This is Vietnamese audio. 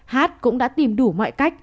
hát cũng đã tìm đủ mọi cách